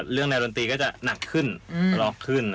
เรื่องในดนตรีก็จะหนักขึ้นล็อกขึ้น